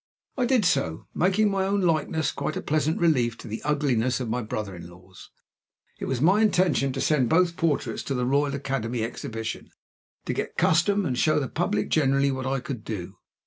I did so, making my own likeness quite a pleasant relief to the ugliness of my brother in law's. It was my intention to send both portraits to the Royal Academy Exhibition, to get custom, and show the public generally what I could do.